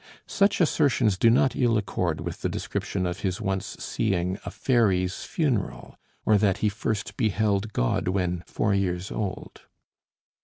Such assertions do not ill accord with the description of his once seeing a fairy's funeral, or that he first beheld God when four years old.